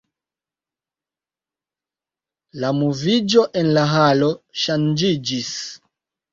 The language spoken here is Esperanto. La moviĝo en la halo ŝanĝiĝis.